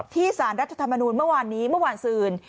สารรัฐธรรมนูลเมื่อวานนี้เมื่อวานซืน